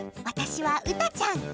私は詩ちゃん。